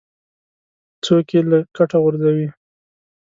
څوک یې له کټه غورځوي.